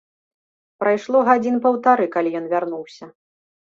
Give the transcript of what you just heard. Прайшло гадзін паўтары, калі ён вярнуўся.